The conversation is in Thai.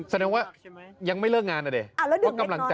แสดงว่ายังไม่เลิกงานอ่ะเด้ยเพราะกำลังจะ